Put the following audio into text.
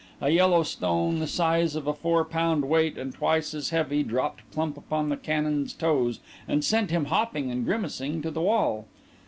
A yellow stone the size of a four pound weight and twice as heavy dropped plump upon the canon's toes and sent him hopping and grimacing to the wall.